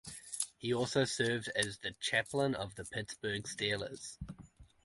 He also served as the chaplain of the Pittsburgh Steelers.